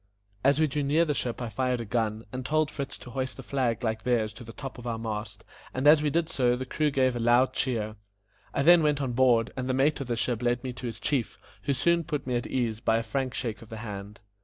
As we drew near the ship I fired a gun, and told Fritz to hoist a flag like theirs to the top of our mast, and as we did so the crew gave a loud cheer. I then went on board, and the mate of the ship led me to his chief, who soon put me at my ease by a frank shake of the hand.